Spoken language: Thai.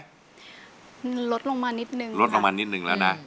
มันลดลงมานิดนึงลดลงมานิดนึงแล้วนะ